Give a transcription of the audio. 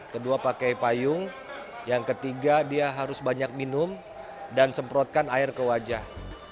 kedua pakai payung yang ketiga dia harus banyak minum dan semprotkan air ke wajah